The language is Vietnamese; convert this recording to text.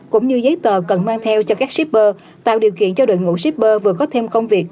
cũng như giấy tờ cần mang theo cho các shipper tạo điều kiện cho đội ngũ shipper vừa có thêm công việc